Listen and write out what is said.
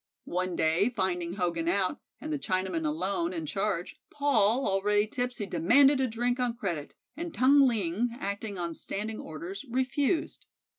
One day, finding Hogan out, and the Chinaman alone in charge, Paul, already tipsy, demanded a drink on credit, and Tung Ling, acting on standing orders, refused.